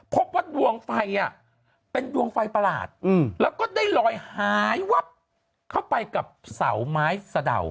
พบว่าดวงไฟเป็นดวงไฟประหลาดแล้วก็ได้ลอยหายวับเข้าไปกับเสาไม้สะดาว